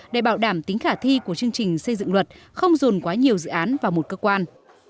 để bảo đảm tính khả thi của chương trình xây dựng luật không dồn quá nhiều dự án vào một cơ quan